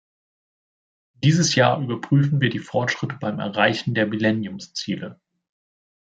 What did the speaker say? Dieses Jahr überprüfen wir die Fortschritte beim Erreichen der Millenniumsziele.